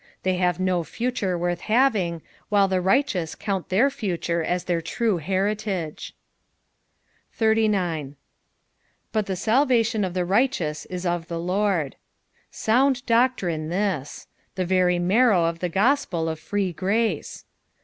They have no future worth having, while the righteous count their future as their true heritage. 89. " Bat the tdwUion a/ the righteoat ii of the Lord. " Bound doctrine this. The very marrow of the gospel of free grace.